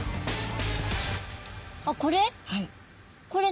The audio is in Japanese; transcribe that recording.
あっこれ？